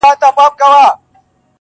د اوبو په منځ کي نه مري څوک له تندي